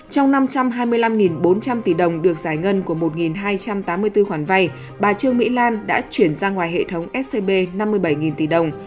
trong năm trăm hai mươi năm bốn trăm linh tỷ đồng được giải ngân của một hai trăm tám mươi bốn khoản vay bà trương mỹ lan đã chuyển ra ngoài hệ thống scb năm mươi bảy tỷ đồng